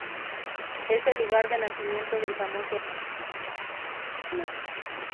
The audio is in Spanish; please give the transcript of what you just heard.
Es el lugar de nacimiento del famoso actor Rodolfo Valentino.